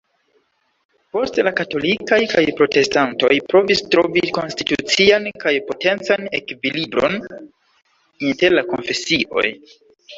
Poste la katolikaj kaj protestantoj provis trovi konstitucian kaj potencan ekvilibron inter la konfesioj.